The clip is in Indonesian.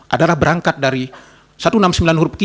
adalah berangkat dari satu ratus enam puluh sembilan huruf q